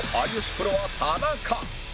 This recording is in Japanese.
プロは田中